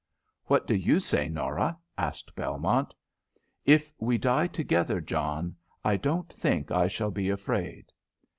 "What do you say, Norah?" asked Belmont. "If we die together, John, I don't think I shall be afraid."